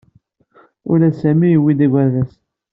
Ula d Sami yewwi-d agerdas.